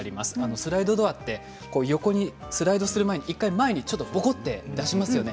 スライドドアは横にスライドする前に１回前にぼこっと出しますよね。